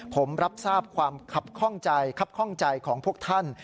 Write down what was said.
ผมรับทราบความขับคล่องใจครับข้องใจของพวกท่าน